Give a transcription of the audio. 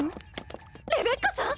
レベッカさん？